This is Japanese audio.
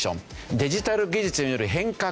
デジタル技術による変革。